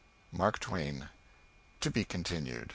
MARK TWAIN. (_To be Continued.